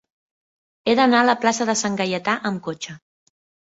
He d'anar a la plaça de Sant Gaietà amb cotxe.